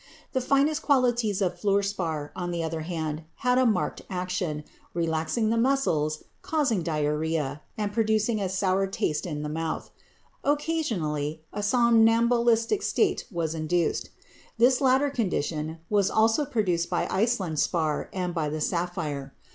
The finest qualities of fluorspar, on the other hand, had a marked action, relaxing the muscles, causing diarrhœa, and producing a sour taste in the mouth; occasionally a somnambulistic state was induced. This latter condition was also produced by Iceland spar and by the sapphire.